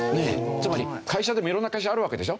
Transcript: つまり会社でも色んな会社あるわけでしょ？